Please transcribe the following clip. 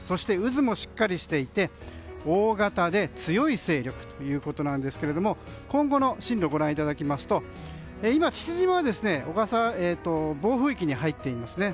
渦もしっかりしていて大型で強い勢力ですけども今後の進路ご覧いただきますと今、父島は暴風域に入っていますね。